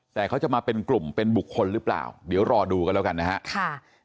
แต่เขาจะมาเป็นกลุ่มเป็นบุคคลหรือเปล่าเดี๋ยวรอดูกันแล้วกันนะครับ